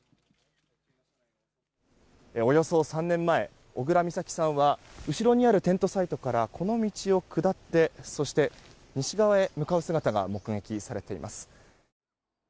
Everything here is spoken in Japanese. およそ３年前小倉美咲さんは後ろにあるテントサイトからこの道を下ってそして西側へ向かう姿が目撃されています。